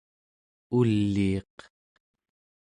uliiq